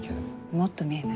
もっと見えない。